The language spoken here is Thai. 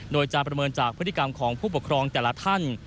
โดยจะประเมินจากพฤติกรรมของผู้ปกครองแต่ละท่าน